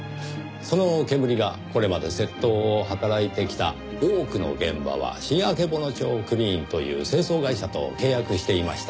そのけむりがこれまで窃盗を働いてきた多くの現場は新曙町クリーンという清掃会社と契約していました。